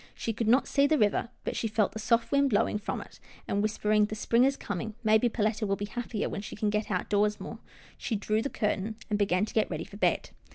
She could not see the river, but she felt the soft wind blowing from it, and, whispering " The spring is coming, maybe Perletta will be happier when she can get out doors more," she drew the curtain, and began to get ready for bed.